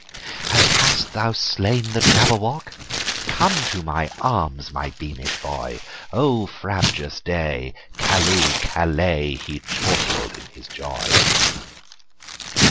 "And hast thou slain the Jabberwock? Come to my arms, my beamish boy!O frabjous day! Callooh! Callay!"He chortled in his joy.